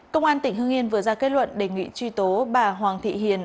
công an tỉnh hưng yên vừa ra kết luận đề nghị truy tố bà hoàng thị hiền